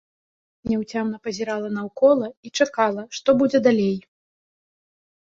Няўцямна пазірала наўкола і чакала, што будзе далей.